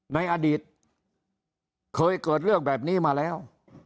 ในอดีตเคยเกิดเรื่องแบบนี้มาแล้ว